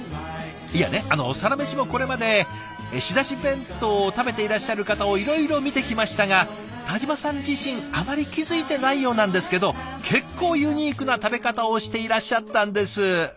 いやねあの「サラメシ」もこれまで仕出し弁当を食べていらっしゃる方をいろいろ見てきましたが田嶋さん自身あまり気付いてないようなんですけど結構ユニークな食べ方をしていらっしゃったんです。